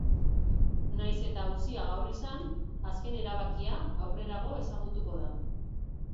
Nahiz eta auzia gaur izan, azken erabakia aurrerago ezagutuko da.